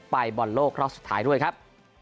บอลโลกรอบสุดท้ายด้วยครับ